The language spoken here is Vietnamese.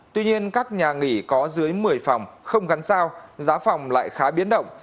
tuy nhiên các nhà nghỉ có dưới một mươi phòng không gắn sao giá phòng lại khá biến động